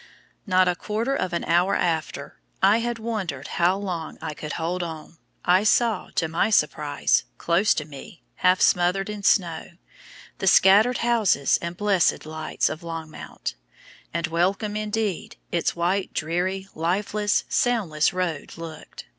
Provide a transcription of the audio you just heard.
Not a quarter of an hour after I had wondered how long I could hold on I saw, to my surprise, close to me, half smothered in snow, the scattered houses and blessed lights of Longmount, and welcome, indeed, its wide, dreary, lifeless, soundless road looked!